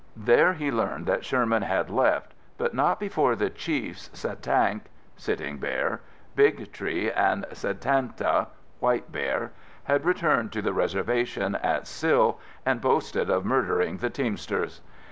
There he learned that Sherman had left but not before the Chiefs Satank (Sitting Bear), Big Tree and Satanta (White Bear) had returned to the reservation at Sill and boasted of murdering the teamsters.